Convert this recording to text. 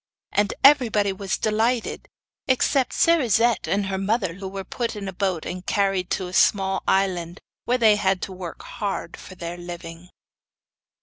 And everybody was delighted, except Cerisette and her mother, who were put in a boat and carried to a small island, where they had to work hard for their living.